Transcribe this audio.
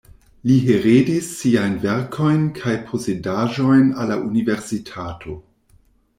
Li heredis siajn verkojn kaj posedaĵojn al la universitato.